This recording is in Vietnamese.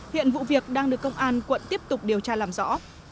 hiện vụ việc đang được công an quận tiếp tục điều tra làm rõ